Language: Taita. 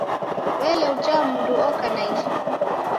W'ele uja mundu oka na isu?